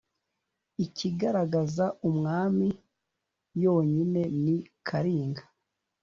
ikagaragaza umwami yonyine ni karinga.